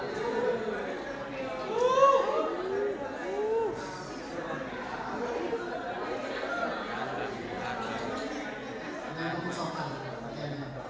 terima kasih yang melihat